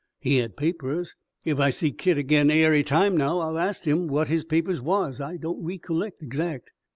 He had papers. Ef I see Kit agin ary time now I'll ast him what his papers was. I don't ree colleck exact.